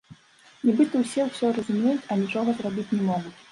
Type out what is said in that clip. Нібыта ўсе ўсё разумеюць, а нічога зрабіць не могуць.